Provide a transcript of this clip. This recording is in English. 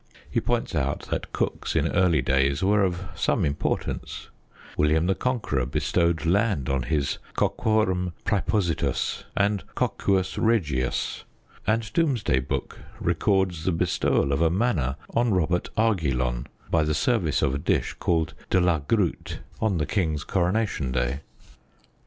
He points out that cooks in early days were of some importance; William the Conqueror bestowed land on his coquorum praepositus and coquus regius; and Domesday Book records the bestowal of a manor on Robert Argyllon, by the service of a dish called " de la Groute" on the king's coronation day.